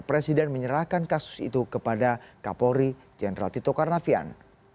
presiden menyerahkan kasus itu kepada kapolri jenderal tito karnavian